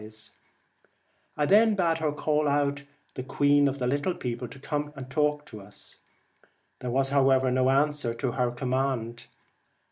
Pigmeorum, I then bade her call out to the queen of the little people to come and talk with us. There was, however, no answer to her command.